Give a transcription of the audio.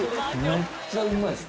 めっちゃうまいっす。